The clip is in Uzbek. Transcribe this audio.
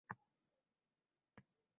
Shuncha miqdorda mablag‘ tejaladi.